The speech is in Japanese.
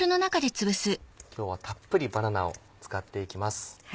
今日はたっぷりバナナを使っていきます。